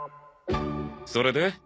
それで？